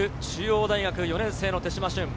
中央大４年生の手島駿。